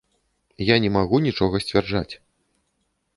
Я не магу нічога сцвярджаць.